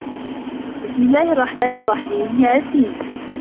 بِسمِ اللَّهِ الرَّحمنِ الرَّحيمِ يس